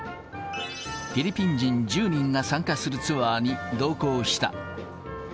フィリピン人１０人が参加するツアーに同行した。